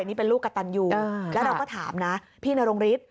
นี่เป็นลูกกระตันอยู่แล้วเราก็ถามนะพี่นรงฤทธิ